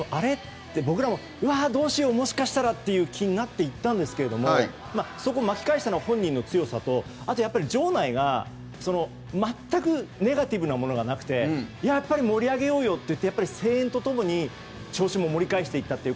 って僕らもうわー、どうしようもしかしたらという気になっていったんですけれどもそこを巻き返したのは本人の強さと場内が全くネガティブなものがなくてやっぱり盛り上げようよという声援と共に調子も盛り返していったという。